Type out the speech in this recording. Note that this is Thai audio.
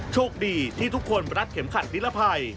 โชคดีที่ทุกคนรัดเข็มขัดนิรภัย